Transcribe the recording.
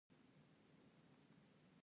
په دې شرط چې کښتۍ به مسلسله روانه وي.